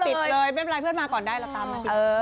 ไม่เป็นไรเพื่อนมาก่อนได้ละ